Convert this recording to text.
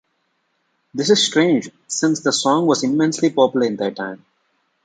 This is strange since the song was immensely popular in their time.